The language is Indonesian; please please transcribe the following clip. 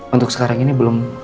untuk sekarang ini belum